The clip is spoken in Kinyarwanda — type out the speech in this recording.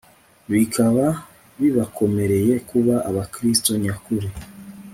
bikaba bibakomereye kuba Abakristo nyakuri